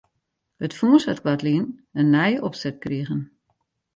It fûns hat koartlyn in nije opset krigen.